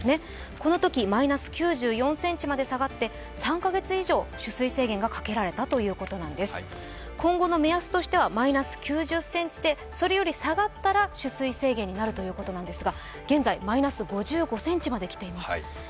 このときマイナス９４ｃｍまで下がって３カ月以上、取水制限がかけられたということで今後の目安としてはマイナス９０ｃｍでそれより下がったら取水制限になるということなんですが現在、マイナス５５ｃｍまできています